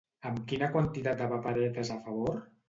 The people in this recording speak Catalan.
Amb quina quantitat de paperetes a favor?